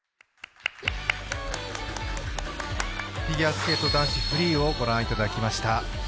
フィギュアスケート男子フリーをご覧いただきました。